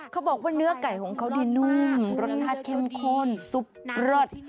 เขาบอกว่าเนื้อไก่ของเขานี่นุ่มรสชาติเข้มข้นซุปเลิศ